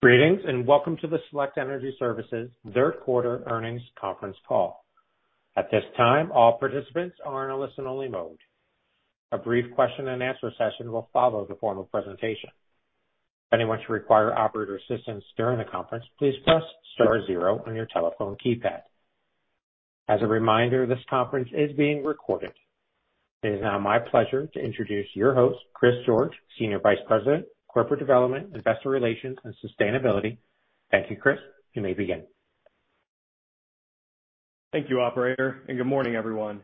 Greetings, and welcome to the Select Water Solutions third quarter earnings conference call. At this time, all participants are in a listen-only mode. A brief question and answer session will follow the formal presentation. If anyone should require operator assistance during the conference, please press star zero on your telephone keypad. As a reminder, this conference is being recorded. It is now my pleasure to introduce your host, Chris George, Senior Vice President, Corporate Development, Investor Relations and Sustainability. Thank you, Chris. You may begin. Thank you, operator, and good morning, everyone.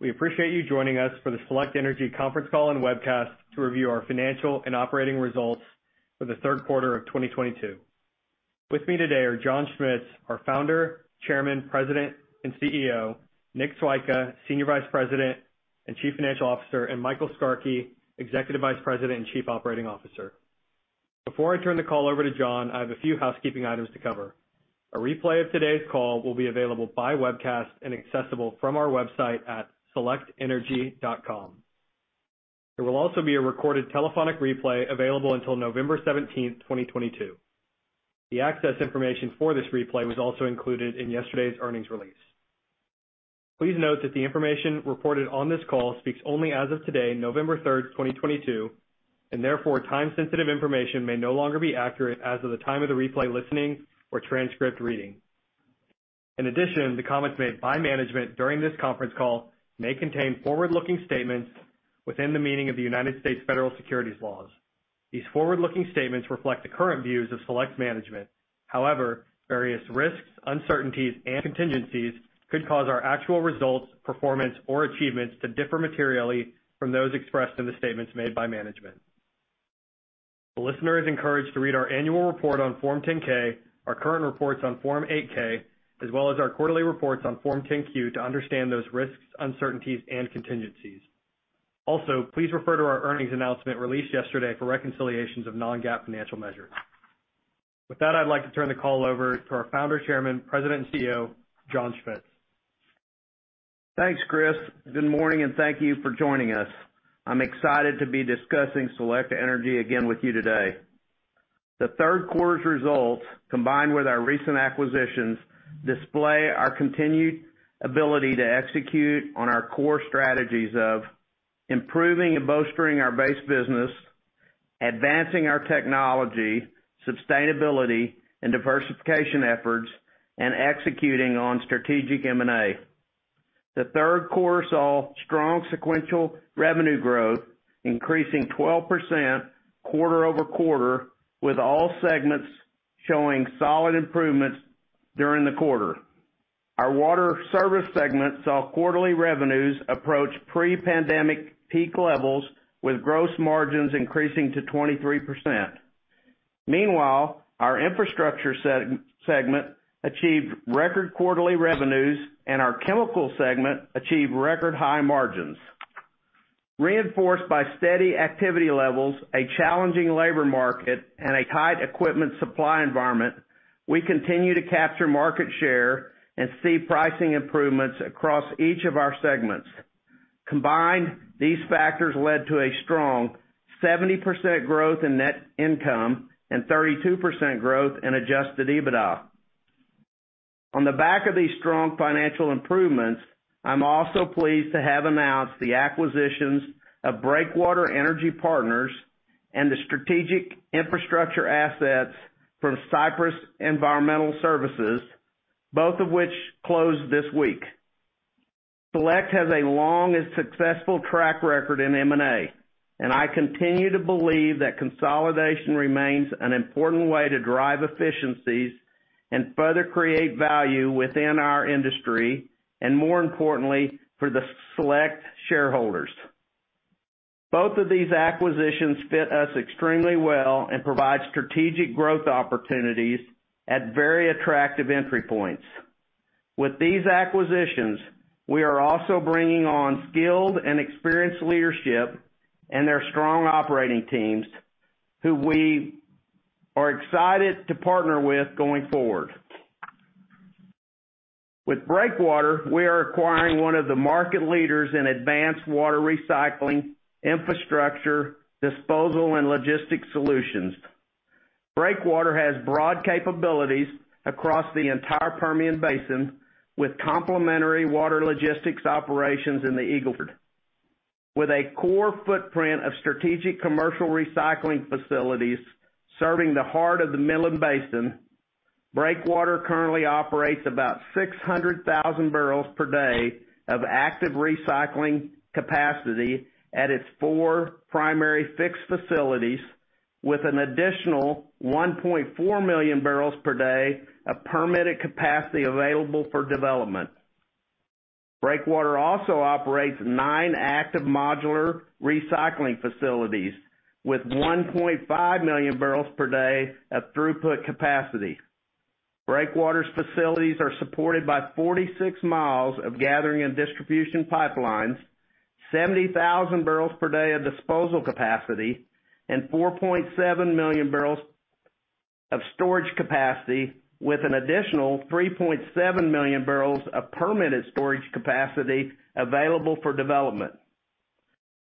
We appreciate you joining us for the Select Water Solutions conference call and webcast to review our financial and operating results for the third quarter of 2022. With me today are John Schmitz, our Founder, Chairman, President and CEO, Nicholas Swyka, Senior Vice President and Chief Financial Officer, and Michael Skarke, Executive Vice President and Chief Operating Officer. Before I turn the call over to John, I have a few housekeeping items to cover. A replay of today's call will be available by webcast and accessible from our website at selectenergy.com. There will also be a recorded telephonic replay available until November 17, 2022. The access information for this replay was also included in yesterday's earnings release. Please note that the information reported on this call speaks only as of today, November 3, 2022, and therefore, time-sensitive information may no longer be accurate as of the time of the replay listening or transcript reading. In addition, the comments made by management during this conference call may contain forward-looking statements within the meaning of the United States federal securities laws. These forward-looking statements reflect the current views of Select's management. However, various risks, uncertainties and contingencies could cause our actual results, performance or achievements to differ materially from those expressed in the statements made by management. The listener is encouraged to read our annual report on Form 10-K, our current reports on Form 8-K, as well as our quarterly reports on Form 10-Q to understand those risks, uncertainties, and contingencies. Also, please refer to our earnings announcement released yesterday for reconciliations of non-GAAP financial measures. With that, I'd like to turn the call over to our Founder, Chairman, President and CEO, John Schmitz. Thanks, Chris. Good morning, and thank you for joining us. I'm excited to be discussing Select Water Solutions again with you today. The third quarter's results, combined with our recent acquisitions, display our continued ability to execute on our core strategies of improving and bolstering our base business, advancing our technology, sustainability, and diversification efforts, and executing on strategic M&A. The third quarter saw strong sequential revenue growth, increasing 12% quarter-over-quarter, with all segments showing solid improvements during the quarter. Our Water Services segment saw quarterly revenues approach pre-pandemic peak levels, with gross margins increasing to 23%. Meanwhile, our Water Infrastructure segment achieved record quarterly revenues, and our Chemical Technologies segment achieved record high margins. Reinforced by steady activity levels, a challenging labor market, and a tight equipment supply environment, we continue to capture market share and see pricing improvements across each of our segments. Combined, these factors led to a strong 70% growth in net income and 32% growth in Adjusted EBITDA. On the back of these strong financial improvements, I'm also pleased to have announced the acquisitions of Breakwater Energy Partners and the strategic infrastructure assets from Cypress Environmental Services, both of which closed this week. Select has a long and successful track record in M&A, and I continue to believe that consolidation remains an important way to drive efficiencies and further create value within our industry and, more importantly, for the Select shareholders. Both of these acquisitions fit us extremely well and provide strategic growth opportunities at very attractive entry points. With these acquisitions, we are also bringing on skilled and experienced leadership and their strong operating teams who we are excited to partner with going forward. With Breakwater, we are acquiring one of the market leaders in advanced water recycling, infrastructure, disposal, and logistics solutions. Breakwater has broad capabilities across the entire Permian Basin, with complementary water logistics operations in the Eagle Ford. With a core footprint of strategic commercial recycling facilities serving the heart of the Midland Basin, Breakwater currently operates about 600,000 barrels per day of active recycling capacity at its 4 primary fixed facilities with an additional 1.4 million barrels per day of permitted capacity available for development. Breakwater also operates 9 active modular recycling facilities with 1.5 million barrels per day of throughput capacity. Breakwater's facilities are supported by 46 miles of gathering and distribution pipelines, 70,000 barrels per day of disposal capacity, and 4.7 million barrels of storage capacity with an additional 3.7 million barrels of permitted storage capacity available for development.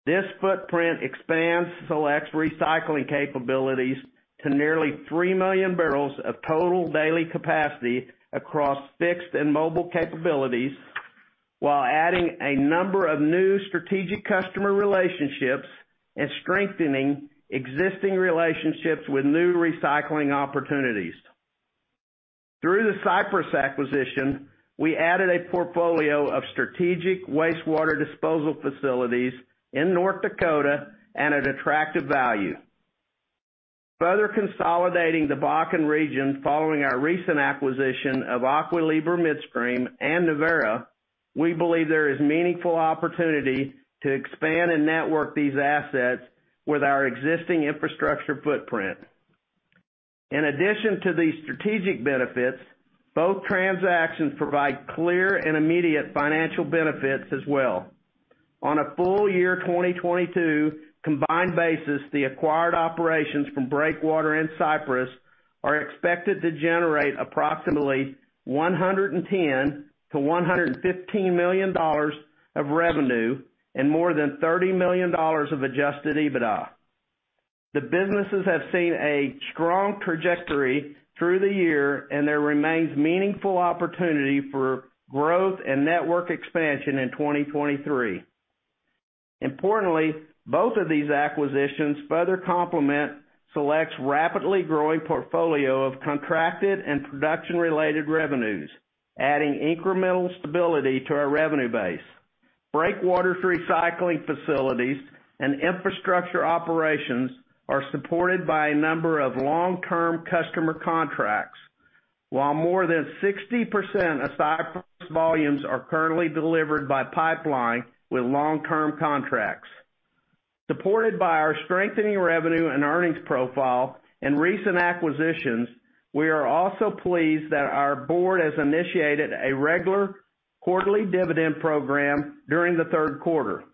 This footprint expands Select's recycling capabilities to nearly 3 million barrels of total daily capacity across fixed and mobile capabilities, while adding a number of new strategic customer relationships and strengthening existing relationships with new recycling opportunities. Through the Cypress acquisition, we added a portfolio of strategic wastewater disposal facilities in North Dakota at an attractive value. Further consolidating the Bakken region following our recent acquisition of Aqua Libra Midstream and Nuverra, we believe there is meaningful opportunity to expand and network these assets with our existing infrastructure footprint. In addition to these strategic benefits, both transactions provide clear and immediate financial benefits as well. On a full year 2022 combined basis, the acquired operations from Breakwater and Cypress are expected to generate approximately $110 million-$115 million of revenue and more than $30 million of adjusted EBITDA. The businesses have seen a strong trajectory through the year, and there remains meaningful opportunity for growth and network expansion in 2023. Importantly, both of these acquisitions further complement Select's rapidly growing portfolio of contracted and production-related revenues, adding incremental stability to our revenue base. Breakwater's recycling facilities and infrastructure operations are supported by a number of long-term customer contracts, while more than 60% of Cypress volumes are currently delivered by pipeline with long-term contracts. Supported by our strengthening revenue and earnings profile and recent acquisitions, we are also pleased that our board has initiated a regular quarterly dividend program during the third quarter,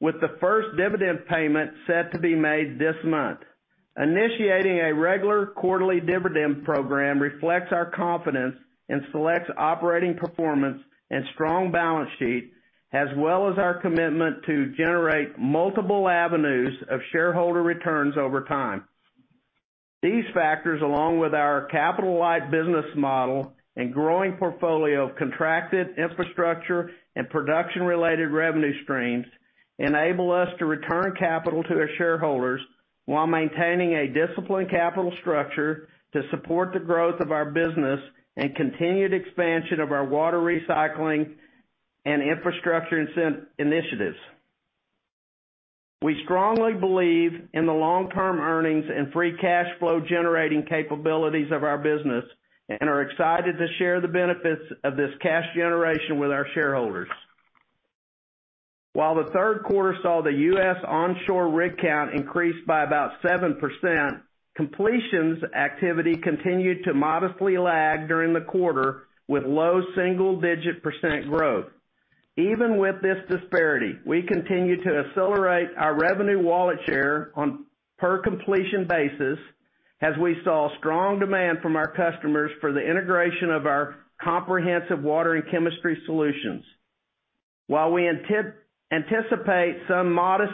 with the first dividend payment set to be made this month. Initiating a regular quarterly dividend program reflects our confidence in Select's operating performance and strong balance sheet, as well as our commitment to generate multiple avenues of shareholder returns over time. These factors, along with our capital-light business model and growing portfolio of contracted infrastructure and production-related revenue streams, enable us to return capital to our shareholders while maintaining a disciplined capital structure to support the growth of our business and continued expansion of our water recycling and infrastructure initiatives. We strongly believe in the long-term earnings and free cash flow-generating capabilities of our business and are excited to share the benefits of this cash generation with our shareholders. While the third quarter saw the U.S. onshore rig count increase by about 7%, completions activity continued to modestly lag during the quarter with low single-digit % growth. Even with this disparity, we continue to accelerate our revenue wallet share on per-completion basis as we saw strong demand from our customers for the integration of our comprehensive water and chemistry solutions. While we anticipate some modest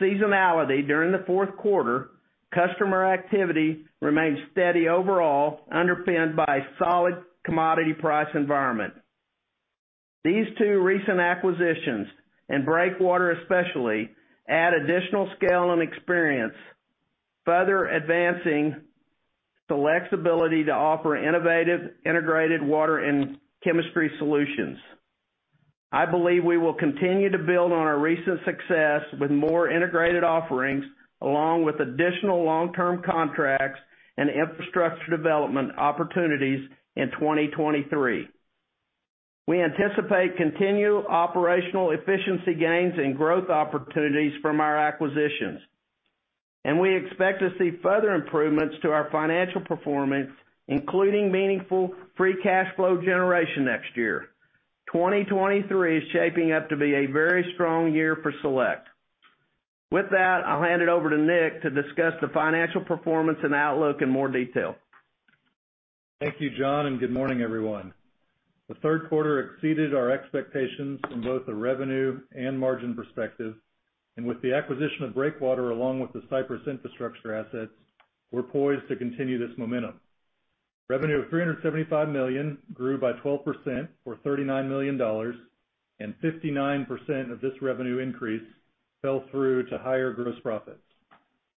seasonality during the fourth quarter, customer activity remains steady overall, underpinned by solid commodity price environment. These two recent acquisitions, and Breakwater especially, add additional scale and experience, further advancing Select's ability to offer innovative integrated water and chemistry solutions. I believe we will continue to build on our recent success with more integrated offerings, along with additional long-term contracts and infrastructure development opportunities in 2023. We anticipate continued operational efficiency gains and growth opportunities from our acquisitions, and we expect to see further improvements to our financial performance, including meaningful free cash flow generation next year. 2023 is shaping up to be a very strong year for Select. With that, I'll hand it over to Nick to discuss the financial performance and outlook in more detail. Thank you, John, and good morning, everyone. The third quarter exceeded our expectations from both a revenue and margin perspective, and with the acquisition of Breakwater along with the Cypress infrastructure assets, we're poised to continue this momentum. Revenue of $375 million grew by 12%, or $39 million, and 59% of this revenue increase fell through to higher gross profits.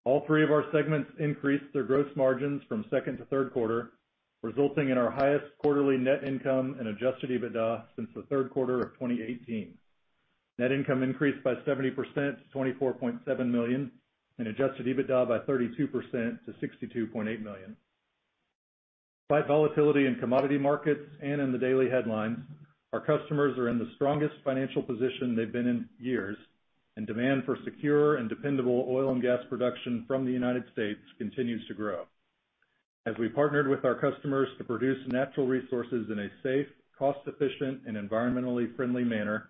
All three of our segments increased their gross margins from second to third quarter, resulting in our highest quarterly net income and Adjusted EBITDA since the third quarter of 2018. Net income increased by 70% to $24.7 million and Adjusted EBITDA by 32% to $62.8 million. Despite volatility in commodity markets and in the daily headlines, our customers are in the strongest financial position they've been in years, and demand for secure and dependable oil and gas production from the United States continues to grow. As we partnered with our customers to produce natural resources in a safe, cost-efficient, and environmentally friendly manner,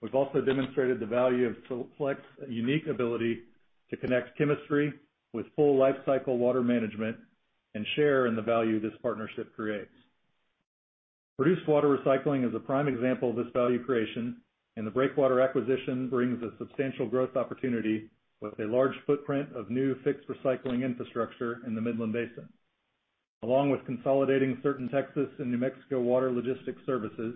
we've also demonstrated the value of Select's unique ability to connect chemistry with full lifecycle water management and share in the value this partnership creates. Produced water recycling is a prime example of this value creation, and the Breakwater acquisition brings a substantial growth opportunity with a large footprint of new fixed recycling infrastructure in the Midland Basin. Along with consolidating certain Texas and New Mexico water logistics services,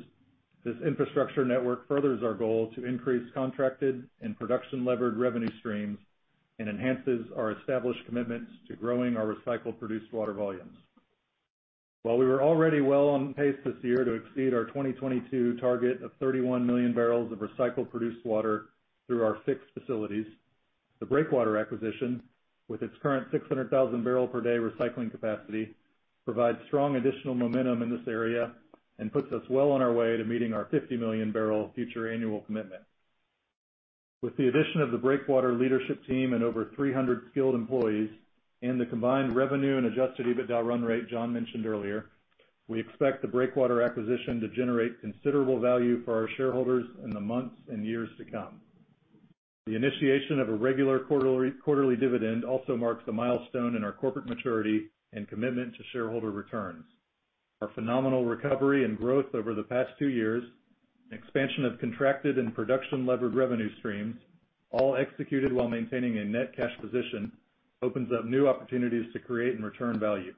this infrastructure network furthers our goal to increase contracted and production-levered revenue streams and enhances our established commitments to growing our recycled produced water volumes. While we were already well on pace this year to exceed our 2022 target of 31 million barrels of recycled produced water through our fixed facilities, the Breakwater acquisition, with its current 600,000 barrel per day recycling capacity, provides strong additional momentum in this area and puts us well on our way to meeting our 50 million barrel future annual commitment. With the addition of the Breakwater leadership team and over 300 skilled employees and the combined revenue and adjusted EBITDA run rate John mentioned earlier, we expect the Breakwater acquisition to generate considerable value for our shareholders in the months and years to come. The initiation of a regular quarterly dividend also marks a milestone in our corporate maturity and commitment to shareholder returns. Our phenomenal recovery and growth over the past two years, expansion of contracted and production-levered revenue streams, all executed while maintaining a net cash position, opens up new opportunities to create and return value.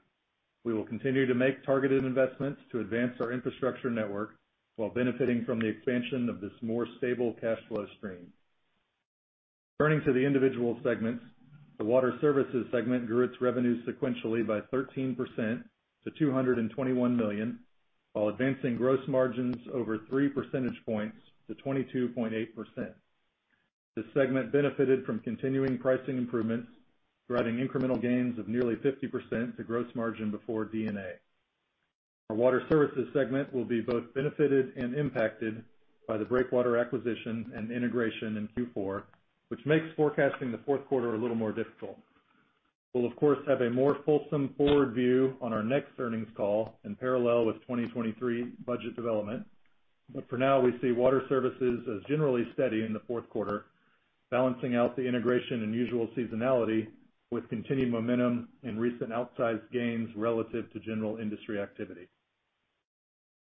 We will continue to make targeted investments to advance our infrastructure network while benefiting from the expansion of this more stable cash flow stream. Turning to the individual segments, the Water Services segment grew its revenue sequentially by 13% to $221 million, while advancing gross margins over 3 percentage points to 22.8%. This segment benefited from continuing pricing improvements, driving incremental gains of nearly 50% to gross margin before D&A. Our Water Services segment will be both benefited and impacted by the Breakwater acquisition and integration in Q4, which makes forecasting the fourth quarter a little more difficult. We'll of course have a more fulsome forward view on our next earnings call in parallel with 2023 budget development. For now, we see Water Services as generally steady in the fourth quarter, balancing out the integration and usual seasonality with continued momentum and recent outsized gains relative to general industry activity.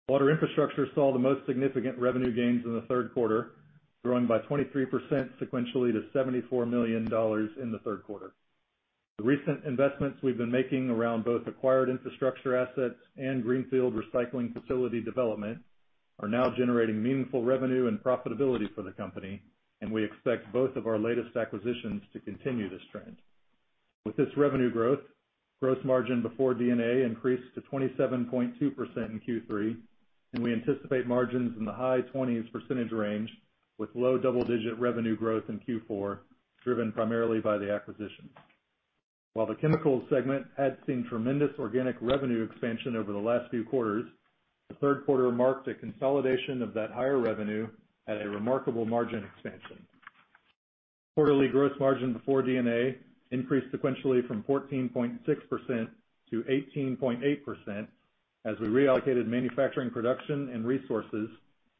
Water Infrastructure saw the most significant revenue gains in the third quarter, growing by 23% sequentially to $74 million in the third quarter. The recent investments we've been making around both acquired infrastructure assets and greenfield recycling facility development are now generating meaningful revenue and profitability for the company, and we expect both of our latest acquisitions to continue this trend. With this revenue growth, gross margin before D&A increased to 27.2% in Q3, and we anticipate margins in the high 20s% range with low double-digit revenue growth in Q4, driven primarily by the acquisitions. While the chemicals segment had seen tremendous organic revenue expansion over the last few quarters, the third quarter marked a consolidation of that higher revenue at a remarkable margin expansion. Quarterly gross margin before D&A increased sequentially from 14.6% to 18.8% as we reallocated manufacturing production and resources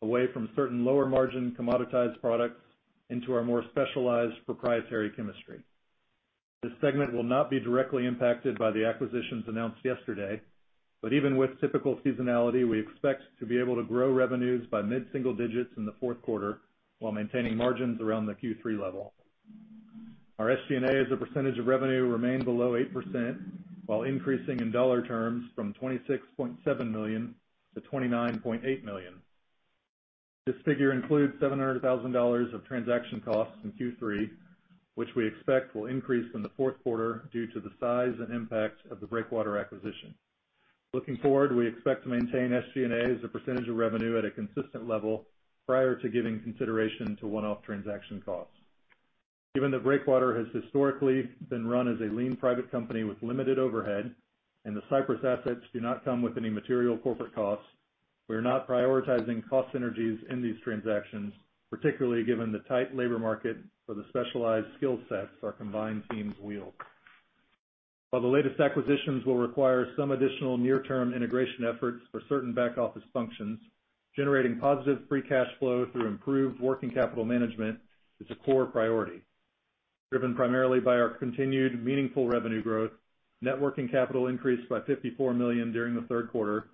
away from certain lower-margin commoditized products into our more specialized proprietary chemistry. This segment will not be directly impacted by the acquisitions announced yesterday, but even with typical seasonality, we expect to be able to grow revenues by mid-single digits in the fourth quarter while maintaining margins around the Q3 level. Our SG&A as a percentage of revenue remained below 8% while increasing in dollar terms from $26.7 million to $29.8 million. This figure includes $700,000 of transaction costs in Q3, which we expect will increase in the fourth quarter due to the size and impact of the Breakwater acquisition. Looking forward, we expect to maintain SG&A as a percentage of revenue at a consistent level prior to giving consideration to one-off transaction costs. Given that Breakwater has historically been run as a lean private company with limited overhead, and the Cypress assets do not come with any material corporate costs, we are not prioritizing cost synergies in these transactions, particularly given the tight labor market for the specialized skill sets our combined teams wield. While the latest acquisitions will require some additional near-term integration efforts for certain back-office functions, generating positive free cash flow through improved working capital management is a core priority. Driven primarily by our continued meaningful revenue growth, net working capital increased by $54 million during the third quarter,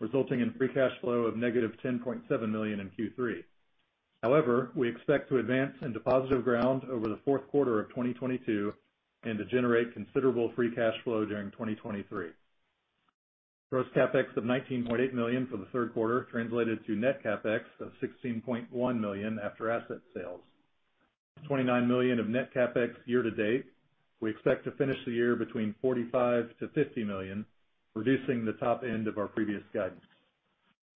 resulting in free cash flow of -$10.7 million in Q3. However, we expect to advance into positive ground over the fourth quarter of 2022 and to generate considerable free cash flow during 2023. Gross CapEx of $19.8 million for the third quarter translated to net CapEx of $16.1 million after asset sales. With $29 million of net CapEx year to date, we expect to finish the year between $45-$50 million, reducing the top end of our previous guidance.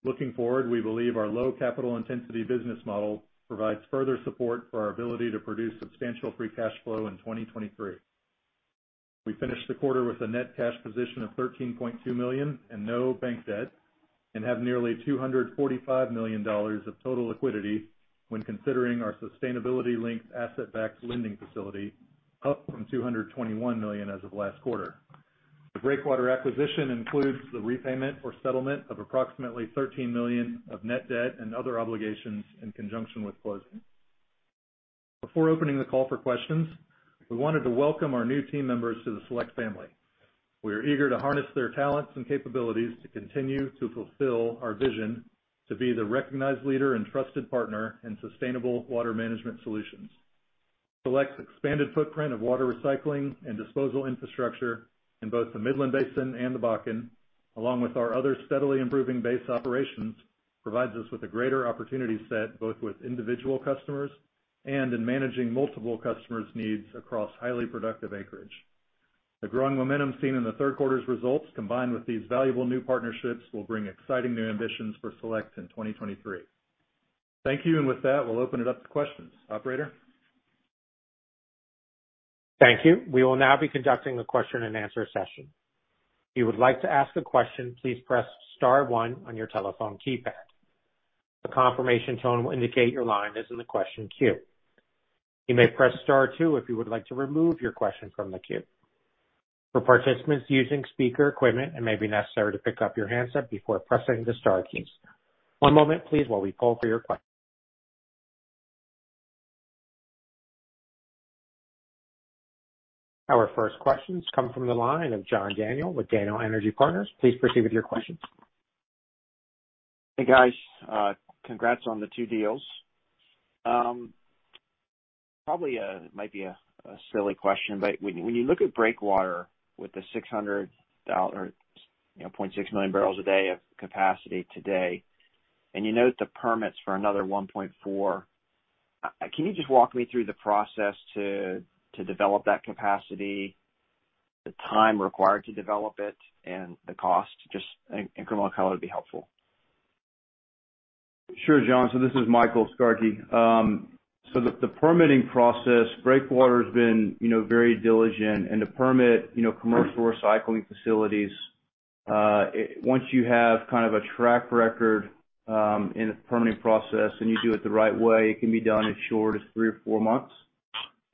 Looking forward, we believe our low capital intensity business model provides further support for our ability to produce substantial free cash flow in 2023. We finished the quarter with a net cash position of $13.2 million and no bank debt and have nearly $245 million of total liquidity when considering our sustainability-linked asset-backed lending facility, up from $221 million as of last quarter. The Breakwater acquisition includes the repayment or settlement of approximately $13 million of net debt and other obligations in conjunction with closing. Before opening the call for questions, we wanted to welcome our new team members to the Select family. We are eager to harness their talents and capabilities to continue to fulfill our vision to be the recognized leader and trusted partner in sustainable water management solutions. Select's expanded footprint of water recycling and disposal infrastructure in both the Midland Basin and the Bakken, along with our other steadily improving base operations, provides us with a greater opportunity set, both with individual customers and in managing multiple customers' needs across highly productive acreage. The growing momentum seen in the third quarter's results, combined with these valuable new partnerships, will bring exciting new ambitions for Select in 2023. Thank you. With that, we'll open it up to questions. Operator? Thank you. We will now be conducting the question and answer session. If you would like to ask a question, please press star one on your telephone keypad. A confirmation tone will indicate your line is in the question queue. You may press star two if you would like to remove your question from the queue. For participants using speaker equipment, it may be necessary to pick up your handset before pressing the star keys. One moment, please, while we poll for your queue. Our first questions come from the line of John Daniel with Daniel Energy Partners. Please proceed with your questions. Hey, guys. Congrats on the two deals. Probably might be a silly question, but when you look at Breakwater with the 0.6 million barrels a day of capacity today, and you note the permits for another 1.4, can you just walk me through the process to develop that capacity, the time required to develop it, and the cost? Just in round numbers would be helpful. Sure, John. This is Michael Skarke. The permitting process, Breakwater's been, you know, very diligent. To permit, you know, commercial recycling facilities, once you have kind of a track record in the permitting process and you do it the right way, it can be done as short as three or four months.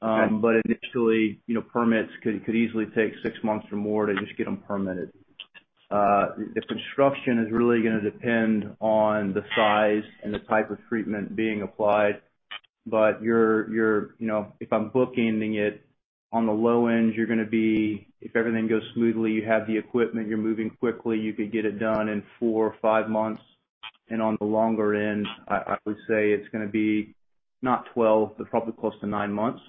Okay. Initially, you know, permits could easily take six months or more to just get them permitted. The construction is really gonna depend on the size and the type of treatment being applied. You know, if I'm bookending it, on the low end, if everything goes smoothly, you have the equipment, you're moving quickly, you could get it done in four or five months. On the longer end, I would say it's gonna be not 12, but probably close to nine months.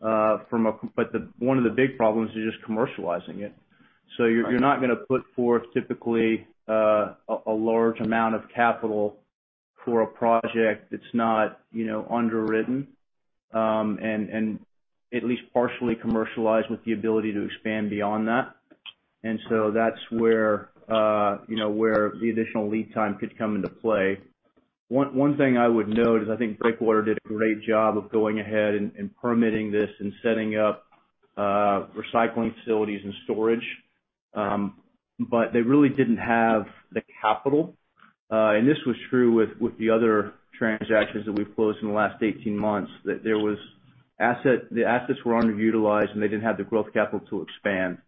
One of the big problems is just commercializing it. You're Right. You're not gonna put forth typically a large amount of capital for a project that's not, you know, underwritten and at least partially commercialized with the ability to expand beyond that. That's where the additional lead time could come into play. One thing I would note is I think Breakwater did a great job of going ahead and permitting this and setting up recycling facilities and storage. But they really didn't have the capital. This was true with the other transactions that we've closed in the last 18 months, that the assets were underutilized, and they didn't have the growth capital to expand.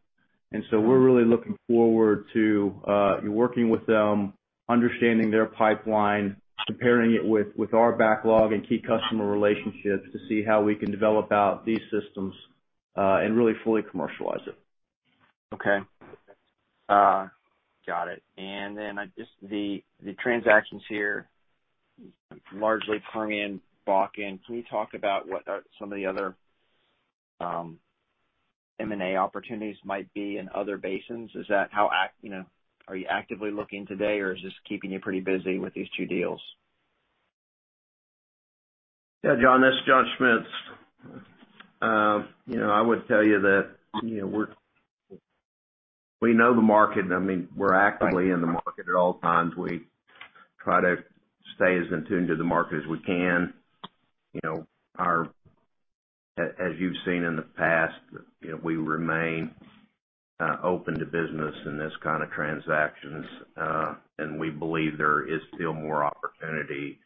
We're really looking forward to working with them, understanding their pipeline, comparing it with our backlog and key customer relationships to see how we can develop out these systems, and really fully commercialize it. Okay. Got it. The transactions here largely Permian, Bakken. Can you talk about what are some of the other M&A opportunities might be in other basins? Is that you know, are you actively looking today, or is this keeping you pretty busy with these two deals? Yeah, John, this is John Schmitz. You know, I would tell you that, you know, we know the market. I mean, we're actively in the market at all times. We try to stay as in tune to the market as we can. You know, as you've seen in the past, you know, we remain open to business in this kind of transactions. We believe there is still more opportunity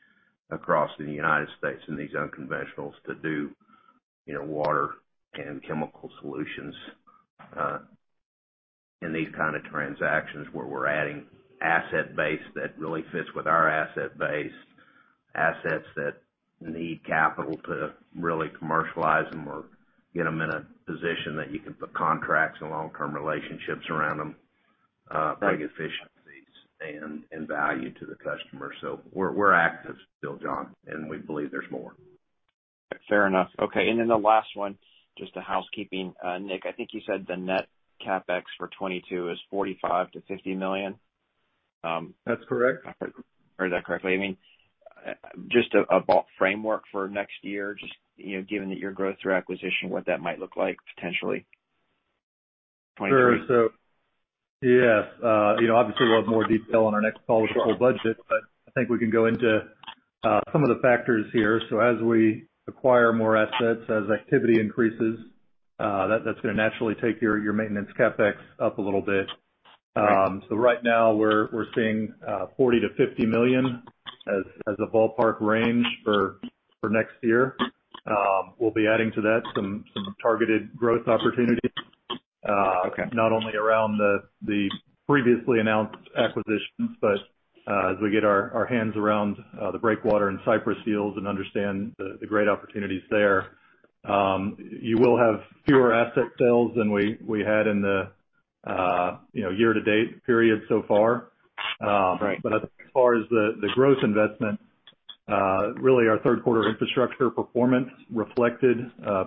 across the United States in these unconventionals to do, you know, water and chemical solutions, in these kind of transactions, where we're adding asset base that really fits with our asset base, assets that need capital to really commercialize them or get them in a position that you can put contracts and long-term relationships around them, bring efficiencies and value to the customer. We're active still, John, and we believe there's more. Fair enough. Okay. The last one, just a housekeeping. Nick, I think you said the Net CapEx for 2022 is $45 million-$50 million. That's correct. Heard that correctly. I mean, just a ballpark framework for next year, you know, given that your growth through acquisition, what that might look like potentially, 2023. Sure. Yes. You know, obviously we'll have more detail on our next call with the full budget, but I think we can go into some of the factors here. As we acquire more assets, as activity increases, that's gonna naturally take your maintenance CapEx up a little bit. Right. Right now we're seeing $40 million-$50 million as a ballpark range for next year. We'll be adding to that some targeted growth opportunities, not only around the previously announced acquisitions, but as we get our hands around the Breakwater and Cypress deals and understand the great opportunities there. You will have fewer asset sales than we had in the, you know, year to date period so far. Right. As far as the growth investment, really our third quarter infrastructure performance reflected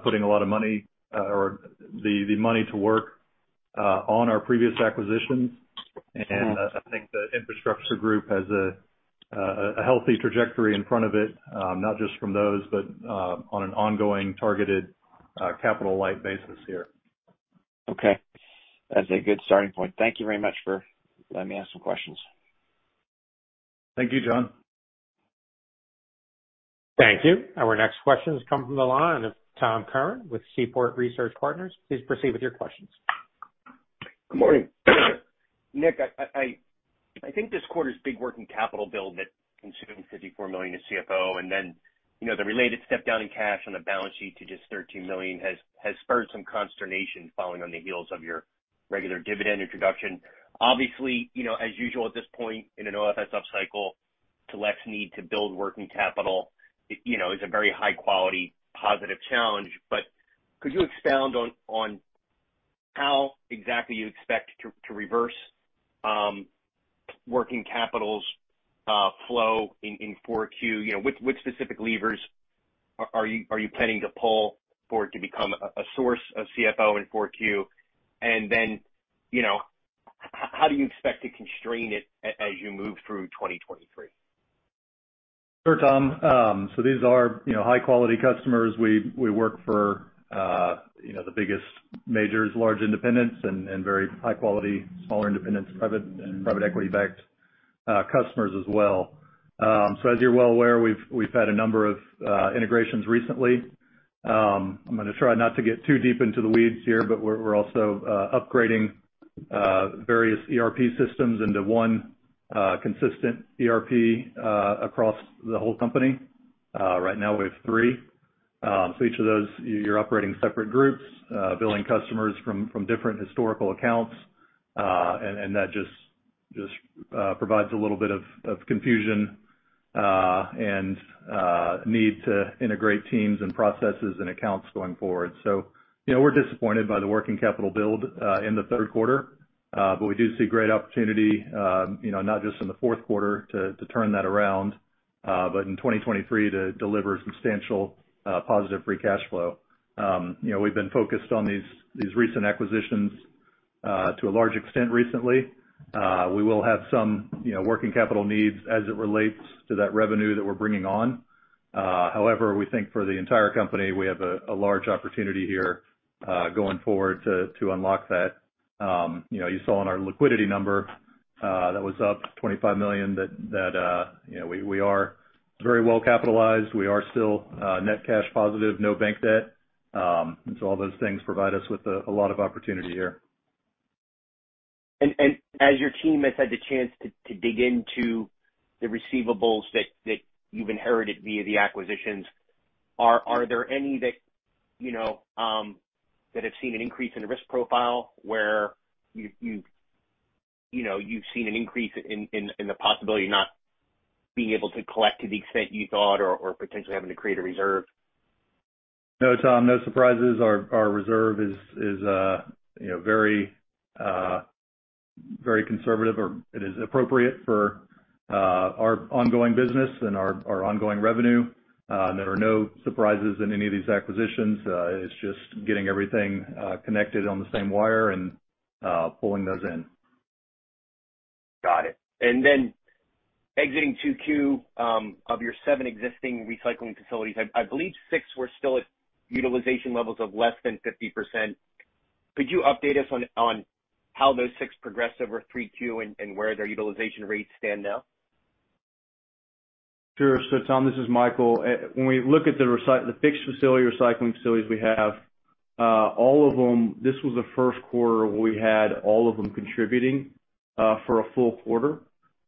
putting a lot of money to work on our previous acquisitions. I think the infrastructure group has a healthy trajectory in front of it, not just from those, but on an ongoing targeted capital-light basis here. Okay. That's a good starting point. Thank you very much for letting me ask some questions. Thank you, John. Thank you. Our next question has come from the line of Tom Curran with Seaport Research Partners. Please proceed with your questions. Good morning. Nick, I think this quarter's big working capital build that consumed $54 million in CFO and then, you know, the related step down in cash on the balance sheet to just $13 million has spurred some consternation following on the heels of your regular dividend introduction. Obviously, you know, as usual at this point in an OFS upcycle, Select's need to build working capital, you know, is a very high quality, positive challenge. Could you expound on how exactly you expect to reverse working capital's flow in 4Q? You know, which specific levers are you planning to pull for it to become a source of CFO in 4Q? And then, you know, how do you expect to constrain it as you move through 2023? Sure, Tom. These are, you know, high quality customers. We work for, you know, the biggest majors, large independents and very high quality smaller independents, private and private equity backed, customers as well. As you're well aware, we've had a number of integrations recently. I'm gonna try not to get too deep into the weeds here, but we're also upgrading various ERP systems into one consistent ERP across the whole company. Right now we have three. Each of those, you're operating separate groups, billing customers from different historical accounts. That just provides a little bit of confusion and need to integrate teams and processes and accounts going forward. You know, we're disappointed by the working capital build in the third quarter. We do see great opportunity, you know, not just in the fourth quarter to turn that around, but in 2023 to deliver substantial positive free cash flow. You know, we've been focused on these recent acquisitions to a large extent recently. We will have some, you know, working capital needs as it relates to that revenue that we're bringing on. However, we think for the entire company, we have a large opportunity here going forward to unlock that. You know, you saw in our liquidity number that was up $25 million that, you know, we are very well capitalized. We are still net cash positive, no bank debt. All those things provide us with a lot of opportunity here. As your team has had the chance to dig into the receivables that you've inherited via the acquisitions, are there any that, you know, that have seen an increase in risk profile where you've, you know, seen an increase in the possibility of not being able to collect to the extent you thought or potentially having to create a reserve? No, Tom, no surprises. Our reserve is you know very conservative or it is appropriate for our ongoing business and our ongoing revenue. There are no surprises in any of these acquisitions. It's just getting everything connected on the same wire and pulling those in. Got it. Exiting 2Q, of your 7 existing recycling facilities, I believe 6 were still at utilization levels of less than 50%. Could you update us on how those 6 progressed over 3Q and where their utilization rates stand now? Sure. Tom, this is Michael. When we look at the fixed facility, recycling facilities we have, all of them, this was the first quarter where we had all of them contributing, for a full quarter.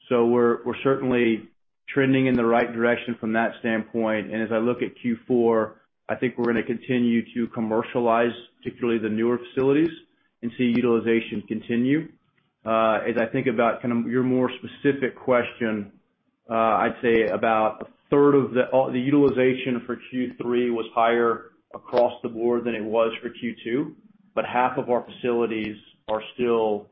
We're certainly trending in the right direction from that standpoint. As I look at Q4, I think we're gonna continue to commercialize, particularly the newer facilities and see utilization continue. As I think about kind of your more specific question, I'd say about a third of the utilization for Q3 was higher across the board than it was for Q2, but half of our facilities are still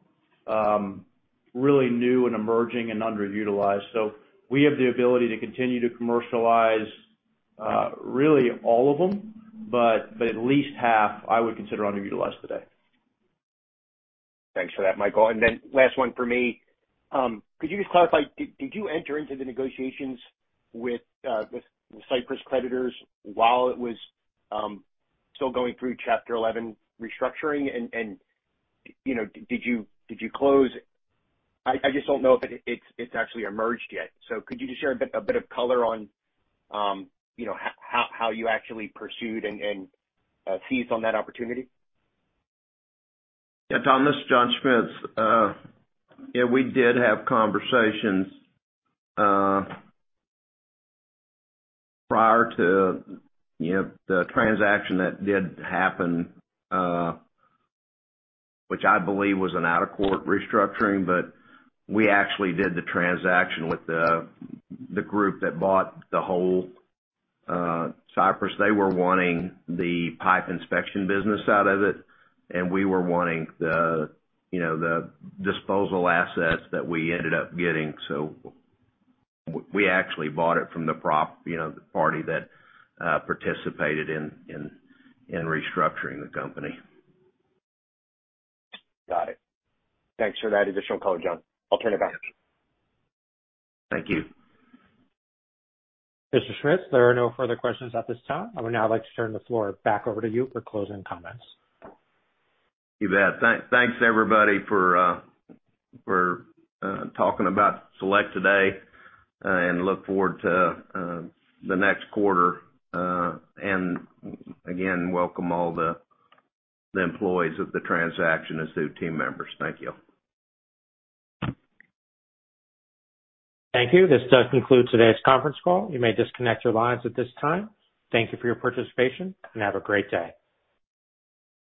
really new and emerging and underutilized. We have the ability to continue to commercialize really all of them, but at least half I would consider underutilized today. Thanks for that, Michael. Last one for me. Could you just clarify, did you enter into the negotiations with Cypress creditors while it was still going through Chapter 11 restructuring? You know, did you close? I just don't know if it's actually emerged yet. Could you just share a bit of color on, you know, how you actually pursued and seized on that opportunity? Yeah. Tom, this is John Schmitz. Yeah, we did have conversations prior to, you know, the transaction that did happen, which I believe was an out-of-court restructuring, but we actually did the transaction with the group that bought the whole Cypress. They were wanting the pipe inspection business out of it, and we were wanting the, you know, the disposal assets that we ended up getting. We actually bought it from the group, you know, the party that participated in restructuring the company. Got it. Thanks for that additional color, John. I'll turn it back. Thank you. Mr. Schmitz, there are no further questions at this time. I would now like to turn the floor back over to you for closing comments. You bet. Thanks everybody for talking about Select today, and look forward to the next quarter. Welcome all the employees of the transaction as new team members. Thank you. Thank you. This does conclude today's conference call. You may disconnect your lines at this time. Thank you for your participation, and have a great day.